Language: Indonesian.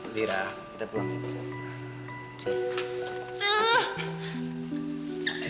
lira kita pulang dulu